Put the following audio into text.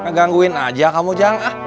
ngangguin aja kamu ujang